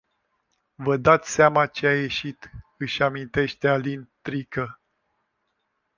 Vă dați seama ce a ieșit, își amintește Alin Trică.